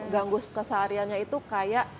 ganggu kesehariannya itu kayak